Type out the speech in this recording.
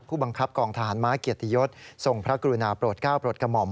ผู้บังคับกองทหารม้าเกียรติยศทรงพระกรุณาโปรดก้าวโปรดกระหม่อม